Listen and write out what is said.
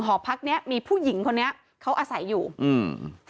หอพักเนี้ยมีผู้หญิงคนนี้เขาอาศัยอยู่อืม